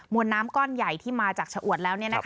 วนน้ำก้อนใหญ่ที่มาจากชะอวดแล้ว